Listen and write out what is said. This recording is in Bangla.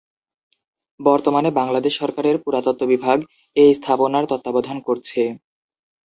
বর্তমানে বাংলাদেশ সরকারের পুরাতত্ত্ব বিভাগ এ স্থাপনার তত্ত্বাবধান করছে।